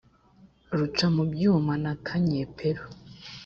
rucamubyuma na kanyeperu